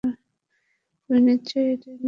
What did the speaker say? তুমিই নিশ্চয় এটা এনেছো।